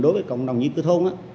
đối với cộng đồng nhiên cư thôn